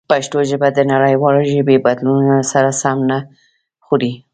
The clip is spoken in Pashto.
پښتو ژبه د نړیوالو ژبني بدلونونو سره سمون نه خوري.